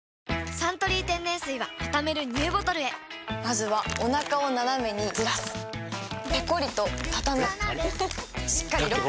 「サントリー天然水」はたためるＮＥＷボトルへまずはおなかをナナメにずらすペコリ！とたたむしっかりロック！